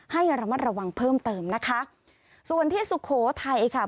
ให้ระมัดระวังเพิ่มเติมนะคะส่วนที่สุโขทัยค่ะ